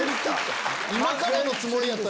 今からのつもりやった。